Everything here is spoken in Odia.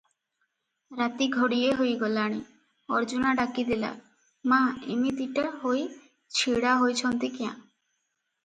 ରାତି ଘଡ଼ିଏ ହୋଇଗଲାଣି, ଅର୍ଜୁନା ଡାକିଦେଲା, "ମା ଇମିତିଟା ହୋଇ ଛିଡ଼ା ହୋଇଛନ୍ତି କ୍ୟାଁ?